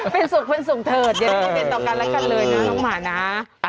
เป็นสุขเป็นสุขเถิดอย่าได้เป็นต่อกันและกันเลยนะน้องหมานะ